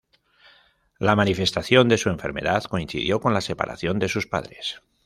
La manifestación de su enfermedad coincidió con la separación de sus padres.